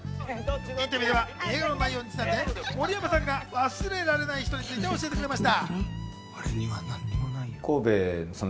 インタビューでは映画の内容にちなんで森山さんが忘れられない人について教えてくれました。